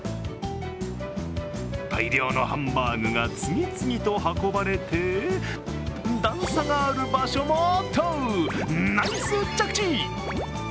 大量のハンバーグが次々と運ばれて段差がある場所もナイス着地！